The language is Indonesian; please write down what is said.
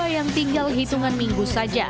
yang tinggal hitungan minggu